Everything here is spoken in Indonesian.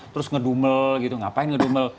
terus ngedumel gitu ngapain ngedumel